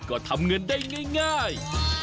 ก็ทำเงินได้ง่าย